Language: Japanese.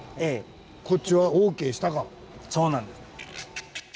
そうなんです。